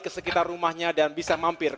ke sekitar rumahnya dan bisa mampir